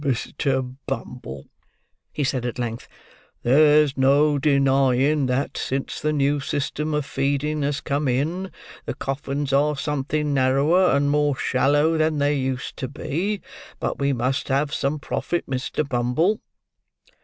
"Well, well, Mr. Bumble," he said at length, "there's no denying that, since the new system of feeding has come in, the coffins are something narrower and more shallow than they used to be; but we must have some profit, Mr. Bumble.